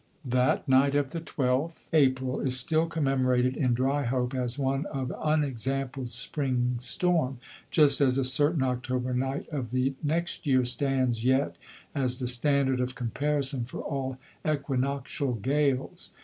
That night of the 12th April is still commemorated in Dryhope as one of unexampled spring storm, just as a certain October night of the next year stands yet as the standard of comparison for all equinoctial gales.